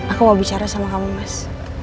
aku gak bicara sama kamu mas